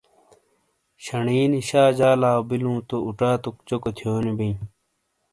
شنی نی شا جالاؤبیلو تو اُچاتوک چوکو تھیونی بئیں۔